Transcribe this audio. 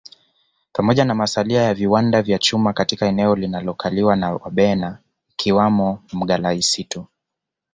Pamoja masalia ya viwanda vya chuma katika eneo linalokaliwa na Wabena ikiwamno Mgala Isitu